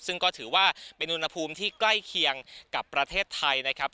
ซึ่งก็ถือว่าเป็นอุณหภูมิที่ใกล้เคียงกับประเทศไทยนะครับ